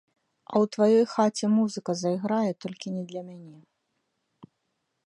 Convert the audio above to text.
А ў тваёй хаце музыка зайграе, толькі не для мяне.